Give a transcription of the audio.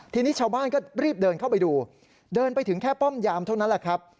ทีนี้ชาวบ้านก็รีบเดินเข้าไปดูเดินไปถึงแค่ป้อมยามเท่านั้นแหละครับ